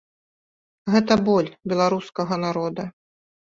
Гэта боль беларускага народа.